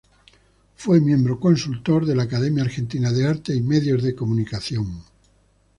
Fue miembro consultor de la "Academia Argentina de Arte y Medios de Comunicación".